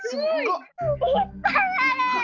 いっぱいある！